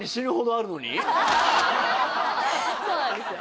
アハハそうなんですよ